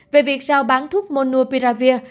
về việc giao bán thuốc monopiravir